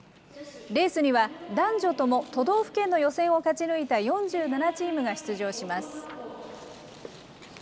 レースには、男女とも都道府県の予選を勝ち抜いた４７チームが出場します。